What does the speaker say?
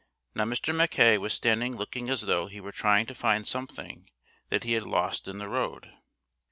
Now Mr. Mackay was standing looking as though he were trying to find something that he had lost in the road.